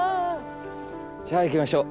じゃあ行きましょう。